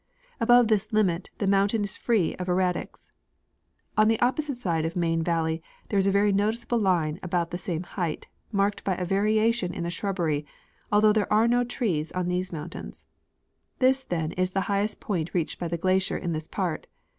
Above this limit the moun tain is free of erratics. On the opposite side of INIain valley there is a very noticeable line about the same height, marked by a variation in the shrubbery, although there are no trees on these mountains. This, then, is the highest point reached by the glacier in this part.